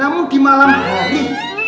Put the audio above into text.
namun di malam hari